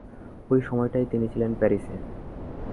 ঐ সময়টায় তিনি ছিলেন প্যারিসে।